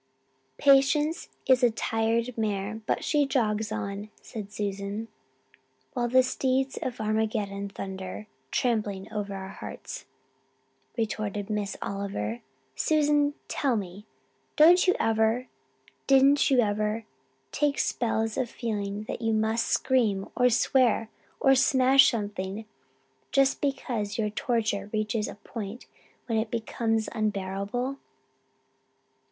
"Patience is a tired mare but she jogs on," said Susan. "While the steeds of Armageddon thunder, trampling over our hearts," retorted Miss Oliver. "Susan, tell me don't you ever didn't you ever take spells of feeling that you must scream or swear or smash something just because your torture reaches a point when it becomes unbearable?"